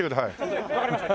わかりました！